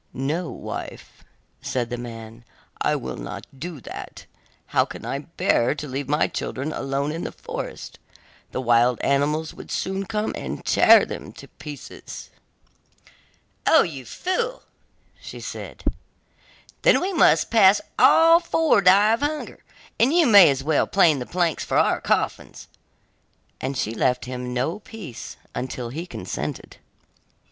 'No, wife,' said the man, 'I will not do that; how can I bear to leave my children alone in the forest? the wild animals would soon come and tear them to pieces.' 'O, you fool!' said she, 'then we must all four die of hunger, you may as well plane the planks for our coffins,' and she left him no peace until he consented.